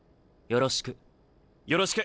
よろしく。